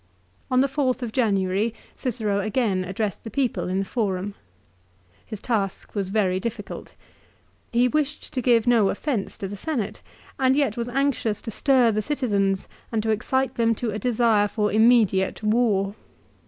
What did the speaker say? On the fourth of January Cicero again addressed the people in the Forum. His task was very difficult. He wished to give no offence to the Senate and yet was anxious to stir the citizens and to excite them to a desire for immediate war.